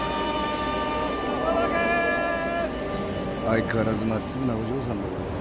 相変わらずまっつぐなお嬢さんだぜ。